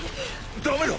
ダメだ。